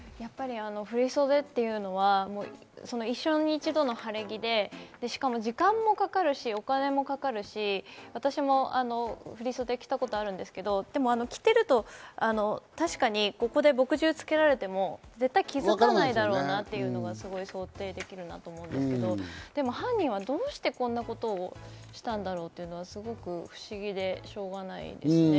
振り袖は一生に一度の晴れ着で、しかも時間もかかるし、お金もかかるし、私も振り袖着たことあるんですけど、着ていると確かに墨汁をつけられても気づかないだろうなっていうのがすごい想定できるなと思ったのと、犯人はどうしてこんなことをしたんだろうっていうのは、すごく不思議でしょうがないです。